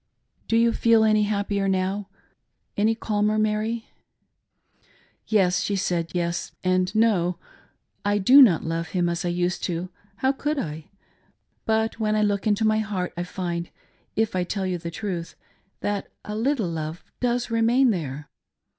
" Do you feel any happier now — any calmer, Mary.'" " Yes," she said, "Yes, and no. I do not love him as I used to — how could I } But when I look into my heart I find, if I tell you the truth, that a little love does remain there.